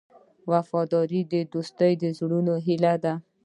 وفادار دوست د زړونو هیله ده.